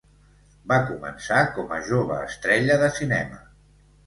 Va començar com a jove estrella de cinema.